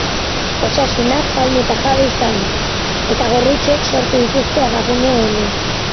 Osasuna jaun eta jabe izan da, eta gorritxoek sortu dituzte abagune onenak.